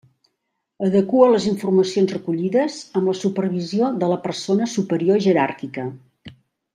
Adequa les informacions recollides, amb la supervisió de la persona superior jeràrquica.